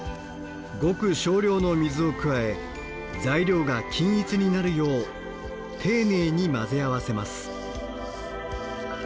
ごく少量の水を加え材料が均一になるよう丁寧に混ぜ合わせます。